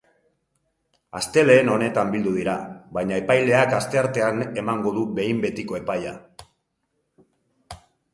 Astelehen honetan bildu dira, baina epaileak asteartean emango du behin betiko epaia.